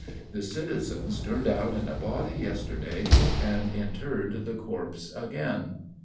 _The citizens turned out in a body yesterday, and interred the corpse again!